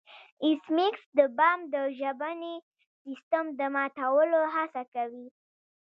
ایس میکس د بم د ژبني سیستم د ماتولو هڅه کوي